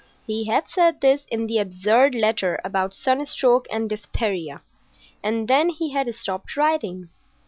He had said this in the absurd letter about sunstroke and diphtheria; and then he had stopped writing.